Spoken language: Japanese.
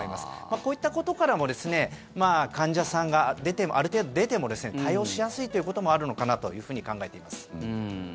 こういったことからも患者さんがある程度出ても対応しやすいということもあるかなと考えています。